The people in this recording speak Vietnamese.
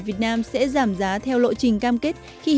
vì vậy đây là một vấn đề rất tốt